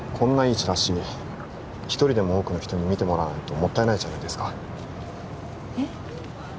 チラシ一人でも多くの人に見てもらわないともったいないじゃないですかえっ？